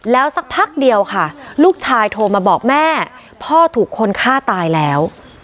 แล้วสักพักเดียวค่ะลูกชายโทรมาบอกแม่พ่อถูกคนฆ่าตายแล้ว